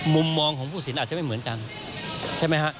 มุมมองของผู้สินอาจจะไม่เหมือนกันใช่ไหมฮะ